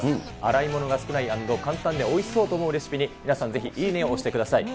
洗い物が少ない＆簡単で、おいしそうと思うレシピに、皆さん、いいねを押してください。